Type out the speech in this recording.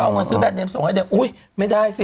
ก็เอาเงินซื้อแบนเนมส่งไว้เดินโอ้ยไม่ได้สิ